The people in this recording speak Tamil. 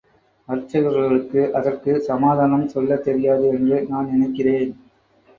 அர்ச்சகர்களுக்கு அதற்கு சமாதானம் சொல்லத் தெரியாது என்று நான் நினைக்கிறேன்.